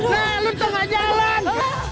nah lu tengah jalan